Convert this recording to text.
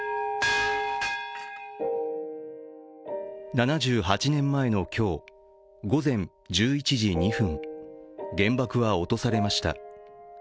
７８年前の今日、午前１１時２分原爆は落とされました。